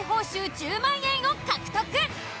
１０万円を獲得。